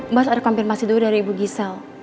mbak harus ada kompirmasi dulu dari ibu gisel